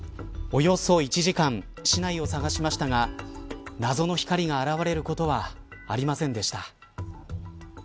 およそ１時間市内を探しましたが謎の光が現れることはありませんでした。